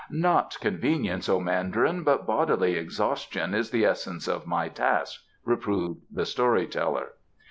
"Not convenience, O Mandarin, but bodily exhaustion is the essence of my task," reproved the story teller.